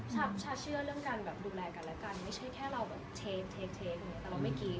ชาติเชื่อเรื่องการดูแลกันไม่ใช่แค่เราเทคแต่เราไม่กรี๊บ